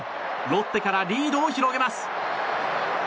ロッテからリードを広げます。